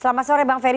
selamat sore bang ferry